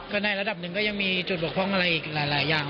ก็ในระดับหนึ่งก็ยังมีจุดบกพร่องอะไรอีกหลายอย่าง